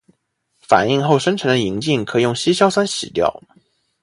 反应后生成的银镜可以用稀硝酸洗掉。